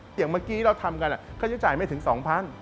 อย่างเมื่อกี้เราทำกันค่าใช้จ่ายไม่ถึง๒๐๐บาท